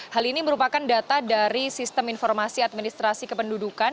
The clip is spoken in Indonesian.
hal ini merupakan data dari sistem informasi administrasi kependudukan